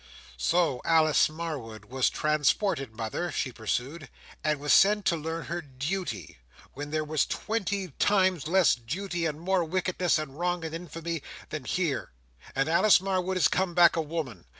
"So Alice Marwood was transported, mother," she pursued, "and was sent to learn her duty, where there was twenty times less duty, and more wickedness, and wrong, and infamy, than here. And Alice Marwood is come back a woman.